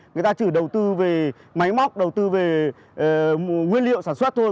người ta chỉ đầu tư về máy móc đầu tư về nguyên liệu sản xuất thôi